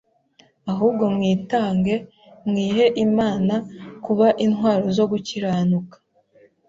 ahubwo mwitange, mwihe Imana kuba intwaro zo gukiranuka."